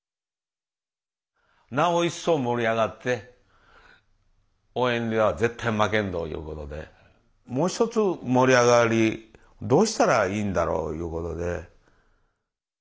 なお一層盛り上がって応援では絶対負けんぞいうことでもう一つ盛り上がりどうしたらいいんだろういうことで。